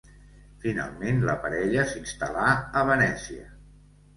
Finalment la parella s'instal·là a Venècia.